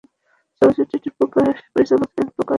চলচ্চিত্রটির পরিচালক ছিলেন প্রকাশ মেহরা।